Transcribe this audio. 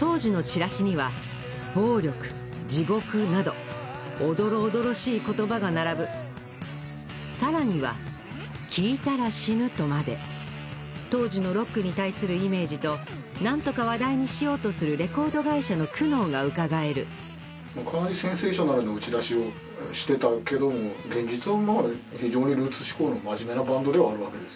「暴力」「地獄」などおどろおどろしい言葉が並ぶさらには「聴いたら死ぬ」とまで当時のロックに対するイメージと何とか話題にしようとするレコード会社の苦悩がうかがえるかなりセンセーショナルな打ち出しをしてたけども現実はまあ非常にルーツ思考の真面目なバンドではあるわけですよ